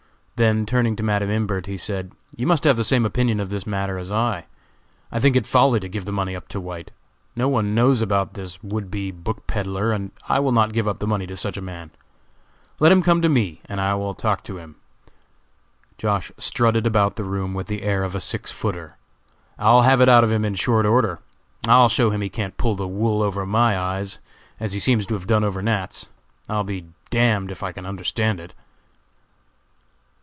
Then turning to Madam Imbert, he said: "You must have the same opinion of this matter as I! I think it folly to give the money up to White. No one knows about this would be book peddler, and I will not give up the money to such a man. Let him come to me and I will talk to him." Josh. strutted about the room with the air of a six footer. "I'll have it out of him in short order. I'll show him he can't pull the wool over my eyes, as he seems to have done over Nat.'s. I'll be d d if I can understand it."